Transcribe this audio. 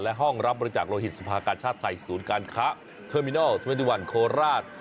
และห้องรับบริจาคโลหิตสภากาชาติไทยศูนย์การค้าเทอร์มินอลเทอร์เนติวันโคราช